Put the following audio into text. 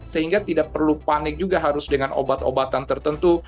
sehingga tidak perlu panik juga harus dengan obat obatan tertentu